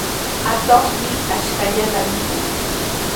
Atuqmi ashkallata mikun.